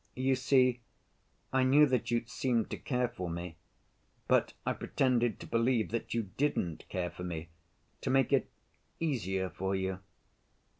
"You see, I knew that you—seemed to care for me, but I pretended to believe that you didn't care for me to make it—easier for you."